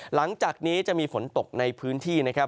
หลังจากนี้จะมีฝนตกในพื้นที่นะครับ